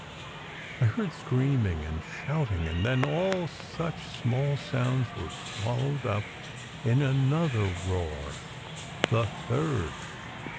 I heard screaming and shouting, and then all such small sounds were swallowed up in another roar the third.